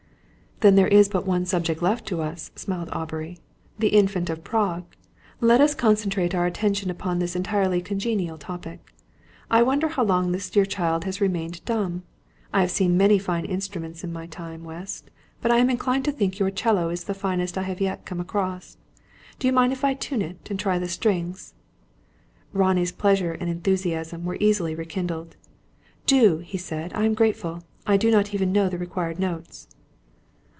"Then there is but one subject left to us," smiled Aubrey "the Infant of Prague! Let us concentrate our attention upon this entirely congenial topic. I wonder how long this dear child has remained dumb. I have seen many fine instruments in my time, West, but I am inclined to think your 'cello is the finest I have yet come across. Do you mind if I tune it, and try the strings?" Ronnie's pleasure and enthusiasm were easily rekindled. "Do," he said. "I am grateful. I do not even know the required notes."